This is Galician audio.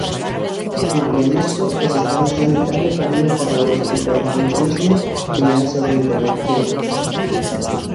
Malia isto, o sistema sanitario camiña cara ao hospitalocentrismo e a sobreintervención.